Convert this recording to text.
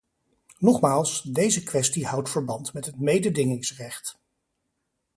Nogmaals, deze kwestie houdt verband met het mededingingsrecht.